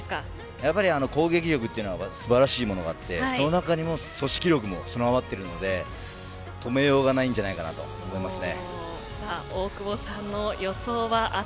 やっぱり攻撃力は素晴らしいものがあってその中にも組織力が備わっているので止めようがないんじゃないかなと思いますね。